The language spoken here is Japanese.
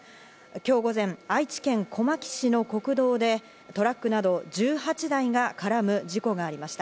今日午前、愛知県小牧市の国道でトラックなど１８台が絡む事故がありました。